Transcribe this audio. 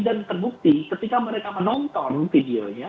dan terbukti ketika mereka menonton videonya